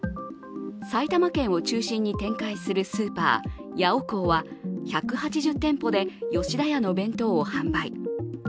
埼玉県を中心に展開するスーパー、ヤオコーは１８０店舗で吉田屋の弁当を販売。